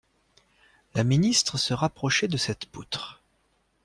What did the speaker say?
La ministre se rapprochait de cette poutre.